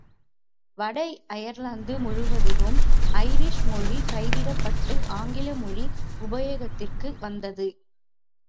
வட அயர்லாந்து முழுவதிலும் ஐரிஷ் மொழி கைவிடப்பட்டு ஆங்கில மொழி உபயோகத்திற்கு வந்தது.